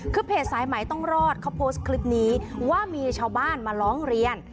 คือเพจสายใหม่ต้องรอดเขาโพสต์คลิปนี้ว่ามีชาวบ้านมาร้องเรียน